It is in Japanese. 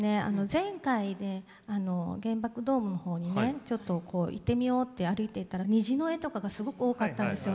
前回ね原爆ドームの方にねちょっと行ってみようって歩いていったら虹の絵とかがすごく多かったんですよ。